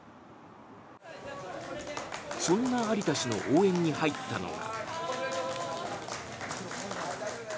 そんな有田氏の応援に入ったのが。